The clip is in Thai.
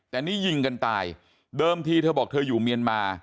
แต่นี่ยิงกันตายเดิมทีเธอบอกเธออยู่เมียนมา